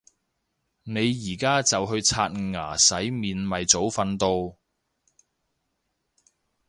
你而家就去刷牙洗面咪早瞓到